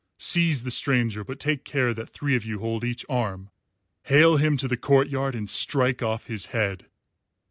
Seize the stranger, but take care that three of you hold each arm, hale him to the courtyard and strike off his head."